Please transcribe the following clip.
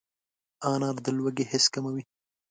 انار د لوږې حس کموي.